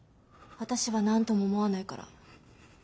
私は何とも思わないから。